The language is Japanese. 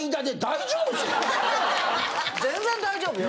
全然大丈夫よ。